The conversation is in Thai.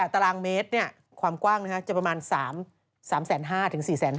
๒๘ตารางเมตรความกว้างประมาณ๓๕๐๐๐๐๔๕๐๐๐๐บาท